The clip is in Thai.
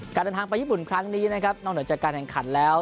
การเดินทางไปญี่ปุ่นครั้งนี้นะครับนอกเหนือจากการแข่งขันแล้ว